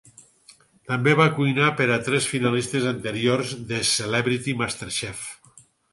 També va cuinar per a tres finalistes anteriors de "Celebrity MasterChef".